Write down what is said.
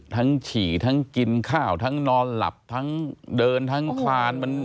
ฉี่ทั้งกินข้าวทั้งนอนหลับทั้งเดินทั้งคลาน